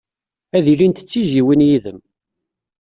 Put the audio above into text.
Ad ilint d tizzyiwin yid-m.